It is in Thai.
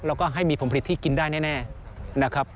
แล้วก็ให้มีผลผลิตที่กินได้แน่นะครับ